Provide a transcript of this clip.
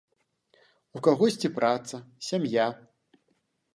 У кагосьці праца, сям'я.